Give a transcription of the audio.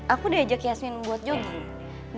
aku diajak yasmin membuat jogging